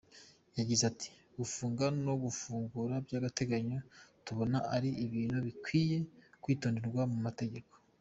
Yagize ati “Gufunga no gufungura by’agateganyo tubona ari ibintu bikwiye kwitonderwa mu matageko.